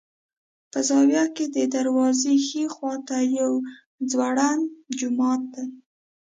په زاویه کې د دروازې ښي خوا ته یو ځوړند جومات دی.